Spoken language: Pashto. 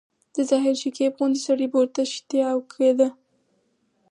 د ظاهر شکیب غوندي سړي به ورته شتیا کېده.